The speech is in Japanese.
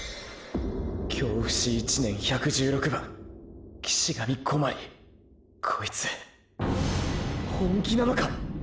京伏１年１１６番岸神小鞠こいつ本気なのか！！